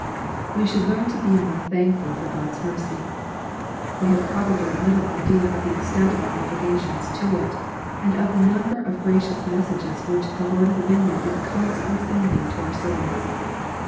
We should learn to be more thankful for Grod's mercy We have probably little idea of the extent of our obliga tions to it, and of the number of gracious messages which the Lord of the vineyard is constantly sending to our souls.